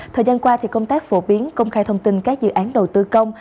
thời gian qua công tác phổ biến công khai thông tin các dự án đầu tư công